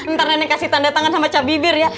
ntar neneng kasih tanda tangan sama cabibir ya